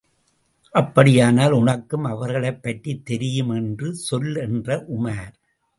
அப்படியானால், உனக்கும் அவர்களைப்பற்றித் தெரியும் என்று சொல் என்ற உமார்.